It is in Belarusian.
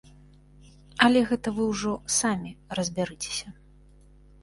Але гэта вы ўжо самі разбярыцеся.